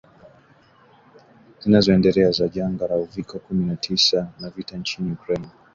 zinazoendelea za janga la uviko kumi na tisa na vita nchini Ukraine